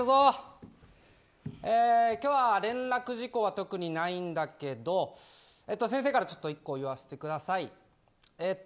今日は連絡事項は特にないんだけど先生からちょっと１個言わせてください。